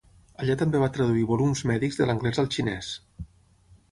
Allà també va traduir volums mèdics de l'anglès al xinès.